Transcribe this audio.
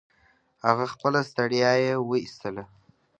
هغه خپله ستړيا يې و ايستله.